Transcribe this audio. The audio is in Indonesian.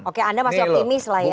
oke anda masih optimis lah ya